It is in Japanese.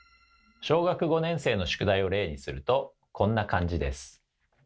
小学５年生の宿題を例にするとこんな感じです。